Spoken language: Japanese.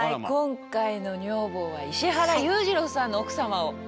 今回の女房は石原裕次郎さんの奥様を。